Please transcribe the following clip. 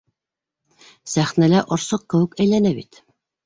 Сәхнәлә орсоҡ кеүек әйләнә бит!